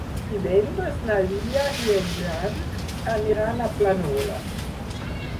Divendres na Lia i en Jan aniran a Planoles.